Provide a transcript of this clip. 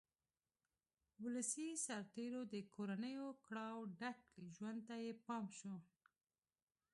ولسي سرتېرو د کورنیو کړاوه ډک ژوند ته یې پام شو.